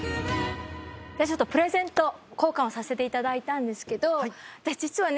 ちょっとプレゼント交換をさせていただいたんですけど実はね